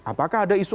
apakah ada isu etik